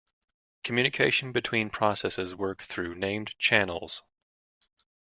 Communication between processes work through named "channels".